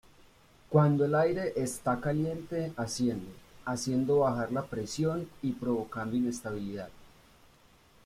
Cuando el aire está caliente, asciende, haciendo bajar la presión y provocando inestabilidad.